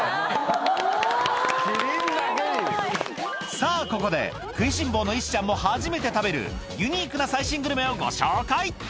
さあ、ここで食いしん坊の石ちゃんも初めて食べる、ユニークな最新グルメをご紹介。